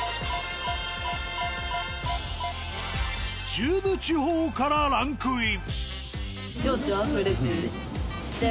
中部地方からランクイン。